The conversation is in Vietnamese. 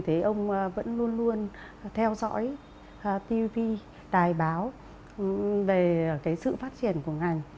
thì ông vẫn luôn luôn theo dõi tv đài báo về cái sự phát triển của ngành